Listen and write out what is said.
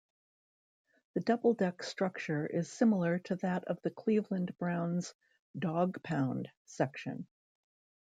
The double-deck structure is similar to that of the Cleveland Browns' "Dawg Pound" section.